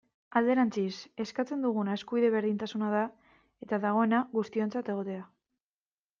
Alderantziz, eskatzen duguna eskubide berdintasuna da, eta dagoena, guztiontzat egotea.